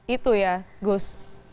itu ya gus